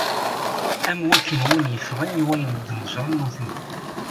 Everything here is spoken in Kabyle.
Am wakken win yeffɣen i wayen i d-neǧǧren nutni.